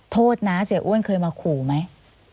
โทษนะเสียอ้วนเคยมาขู่ไหม